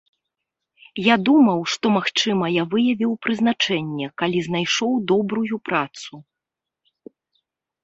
Я думаў, што, магчыма, я выявіў прызначэнне, калі знайшоў добрую працу.